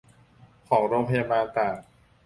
ของโรงพยาบาลต่าง